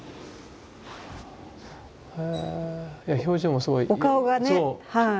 表情もすごい。